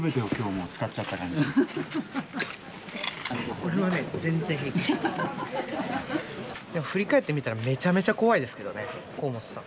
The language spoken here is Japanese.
俺はね振り返ってみたらめちゃめちゃ怖いですけどね甲本さん。